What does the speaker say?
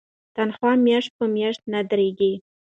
تنخوا میاشت په میاشت نه دریږي.